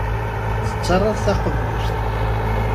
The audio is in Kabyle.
Tettarraḍ taqemmuct.